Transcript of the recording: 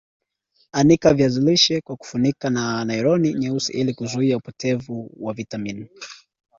Anika viazi lishe kwa kufunika na naironi nyeusi ili kuzuia upotevu wa vitamini